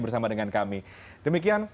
bersama dengan kami demikian